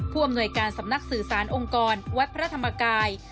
อำนวยการสำนักสื่อสารองค์กรวัดพระธรรมกาย